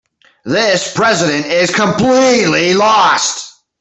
This president is completely lost.